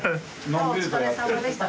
お疲れさまでした。